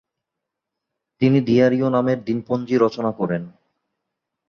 তিনি দিয়ারিও নামের দিনপঞ্জি রচনা করেন।